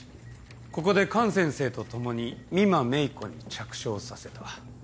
ここで菅先生と共に美馬芽衣子に着床させた。